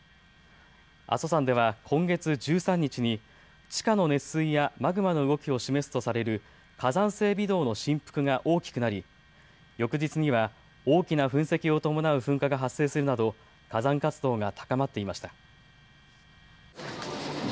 阿蘇山では今月１３日に地下の熱水やマグマの動きを示すとされる火山性微動の振幅が大きくなり翌日には大きな噴石を伴う噴火が発生するなど火山活動が高まっていました。